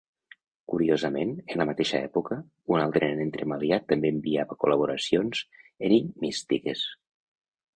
Curiosament, en la mateixa època, un altre nen entremaliat també enviava col·laboracions enigmístiques.